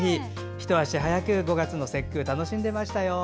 ひと足早く５月の節句楽しんでいましたよ。